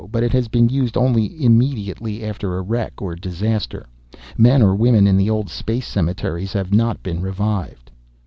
But it has been used only immediately after a wreck or disaster. Men or women in the old space cemeteries have not been revived."